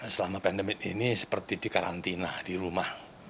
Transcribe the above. selama pandemi ini seperti di karantina di rumah